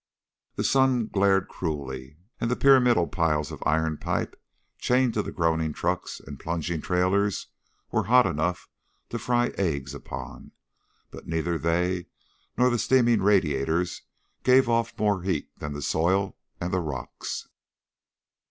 The sun glared cruelly, and the pyramidal piles of iron pipe chained to the groaning trucks and plunging trailers were hot enough to fry eggs upon, but neither they nor the steaming radiators gave off more heat than the soil and the rocks.